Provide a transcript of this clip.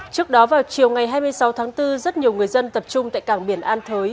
trước đó vào chiều ngày hai mươi sáu tháng bốn rất nhiều người dân tập trung tại cảng biển an thới